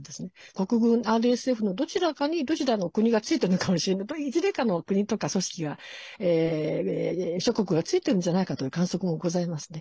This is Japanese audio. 国軍、ＲＳＦのどちらかにどちらの国がついているのかもしれませんけどいずれかの国とか組織が諸国がついてるんじゃないかという観測もございますね。